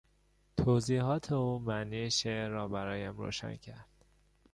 توضیحات او معنی شعر را برایم روشن کرد.